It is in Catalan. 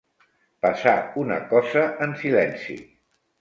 Passar una cosa en silenci.